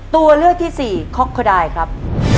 ตัวเลือกที่สี่ค็อกโคดายครับ